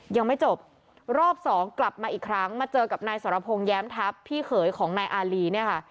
ยังไม่จบรอบสองกลับมาอีกครั้งมาเจอกับนายสรพงศ์แย้มทัพพี่เขยของนายอารีเนี่ยค่ะ